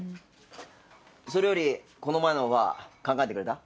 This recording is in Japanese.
それよりこの前のオファー考えてくれた？